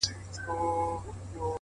• دا چي له کتاب سره ياري کوي؛